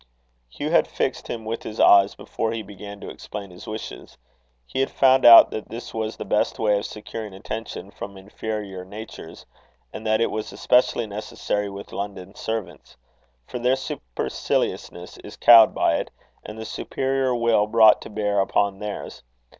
Hugh had fixed him with his eyes, before he began to explain his wishes. He had found out that this was the best way of securing attention from inferior natures, and that it was especially necessary with London servants; for their superciliousness is cowed by it, and the superior will brought to bear upon theirs.